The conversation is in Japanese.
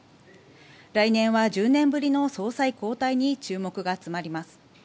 来年は１０年ぶりの総裁交代に注目が集まります。